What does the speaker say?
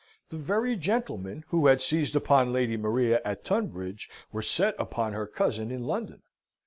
The very gentlemen who had seized upon Lady Maria at Tunbridge were set upon her cousin in London.